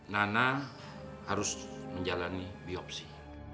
nana harus menjalani biopsi